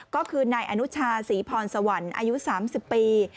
ก็คือนายอนุชาศรีพรสวรรค์อายุ๓๐ปี